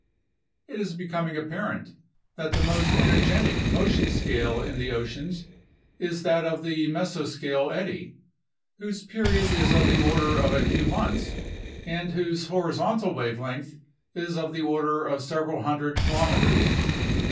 It is becoming apparent that the most energetic motion scale in the oceans is that of the mesoscale eddy, whose period is of the order of a few months and whose horizontal wavelength is of the order of several hundred kilometers.